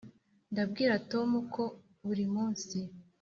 ndabwira tom ko burimunsi.